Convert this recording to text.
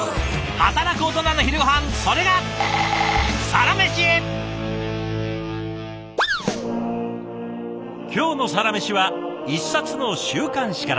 働くオトナの昼ごはんそれが今日の「サラメシ」は一冊の週刊誌から。